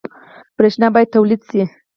برښنا باید تولید شي